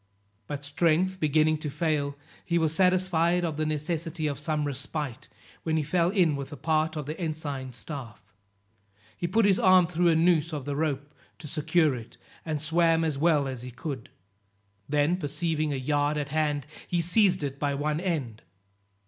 But strength beginning to fail, he was satisfied of the necessity of some respite, when he fell in with part of the ensign staff. He put his arm through a noose of the rope to secure it, and swam as well as he could; then perceiving a yard at hand, he seized it by one end.